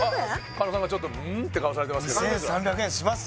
狩野さんがちょっとうん？って顔されてますけど２３００円します？